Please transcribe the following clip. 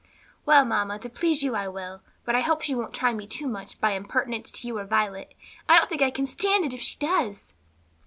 "Well, mamma, to please you I will; but I hope she won't try me too much by impertinence to you or Violet. I don't think I can stand it if she does.